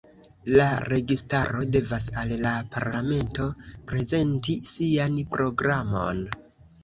La registaro devas al la parlamento prezenti sian programon.